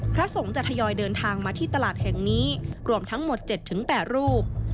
พระสงฆ์จะทยอยเดินทางมาที่ตลาดแห่งนี้รวมทั้งหมด๗๘รูป